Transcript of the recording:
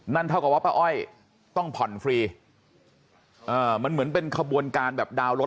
เท่ากับว่าป้าอ้อยต้องผ่อนฟรีมันเหมือนเป็นขบวนการแบบดาวน์รถ